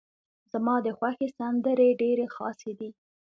زما ده خوښې سندرې ډيرې خاصې دي.